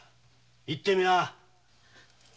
言ってみな。